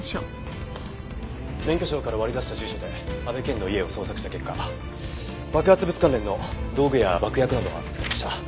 免許証から割り出した住所で阿部健の家を捜索した結果爆発物関連の道具や爆薬などが見つかりました。